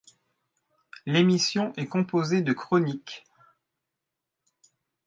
L'émission est composée de chroniques.